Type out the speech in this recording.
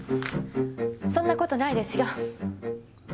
そんな事ないですよ。